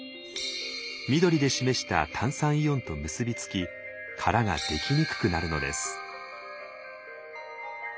緑で示した炭酸イオンと結びつき殻ができにくくなるのです。